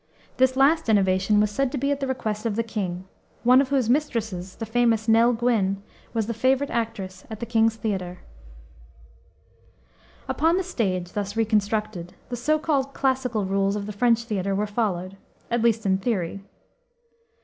This last innovation was said to be at the request of the king, one of whose mistresses, the famous Nell Gwynne, was the favorite actress at the King's Theater. Upon the stage, thus reconstructed, the so called "classical" rules of the French theater were followed, at least in theory.